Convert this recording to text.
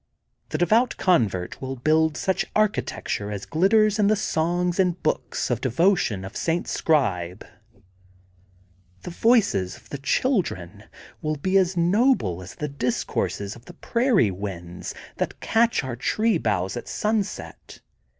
The de vout convert will build such architecture as glitters in the songs and books of devotion of St. Scribe. The voices of the children will be as noble as the discourses of the prairie winds that catch our tree boughs at sunset.